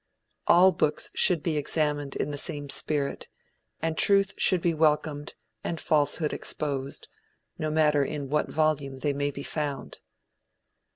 All books should be examined in the same spirit, and truth should be welcomed and falsehood exposed, no matter in what volume they may be found.